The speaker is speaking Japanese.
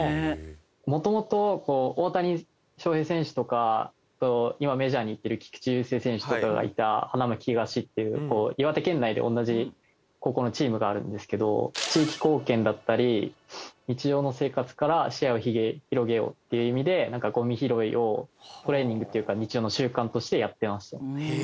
元々大谷翔平選手とか今メジャーに行ってる菊池雄星選手とかがいた花巻東っていう岩手県内で同じ高校のチームがあるんですけど地域貢献だったり日常の生活から視野を広げようっていう意味でゴミ拾いをトレーニングっていうか日常の習慣としてやってました。